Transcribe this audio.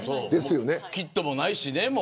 キットもないしね。